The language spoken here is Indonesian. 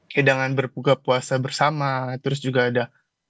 hidangan berbuka puasa bersama terus juga ada